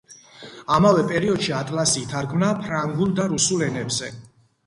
ამავე პერიოდში ატლასი ითარგმნა ფრანგულ და რუსულ ენებზე.